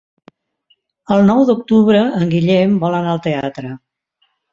El nou d'octubre en Guillem vol anar al teatre.